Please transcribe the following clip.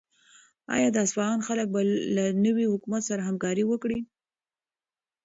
آیا د اصفهان خلک به له نوي حکومت سره همکاري وکړي؟